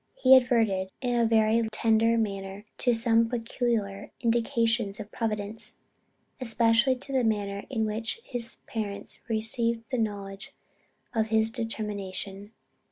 He adverted in a very tender manner to some peculiar indications of Providence, especially to the manner in which his parents received the knowledge of his determination.